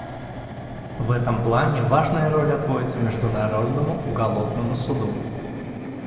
В этом плане важная роль отводится Международному уголовному суду.